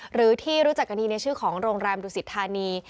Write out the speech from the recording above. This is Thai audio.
หรือที่รู้จักกันดีในชื่อของโรงแรมดุสิทธานี